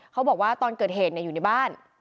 เขาบอกว่าตอนเกิดเหตุอยู่ในบ้าน